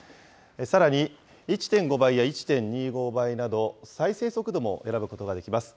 さらに、１．５倍や１．２５倍など、再生速度も選ぶことができます。